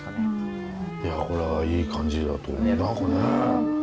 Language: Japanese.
いやこれはいい感じだと思う何かねえ。